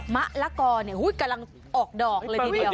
มะละกอกำลังออกดอกเลยทีเดียว